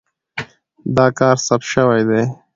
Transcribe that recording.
دا کار ثبت شوی دی.